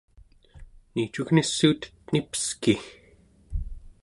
niicugnissuutet nipeski